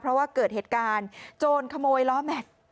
เพราะว่าเกิดเหตุการณ์โจรขโมยล้อแม็กซ์